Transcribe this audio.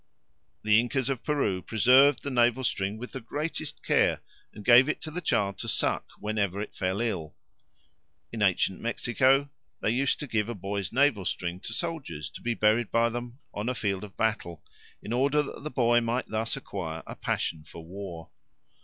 The Incas of Peru preserved the navel string with the greatest care, and gave it to the child to suck whenever it fell ill. In ancient Mexico they used to give a boy's navel string to soldiers, to be buried by them on a field of battle, in order that the boy might thus acquire a passion for war.